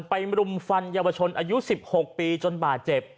ไปรุ่มฟันเยาวชนอายุสิบหกปีจนบาดเจ็บ